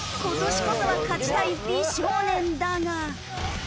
今年こそは勝ちたい美少年だが。